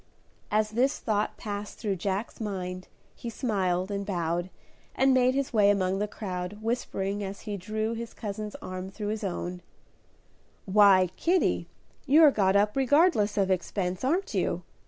As this thought passed through Jack's mind he smiled and bowed and made his way among the crowd, whispering as he drew his cousin's arm through his own, "Why, Kitty, you're got up regardless of expense, aren't you?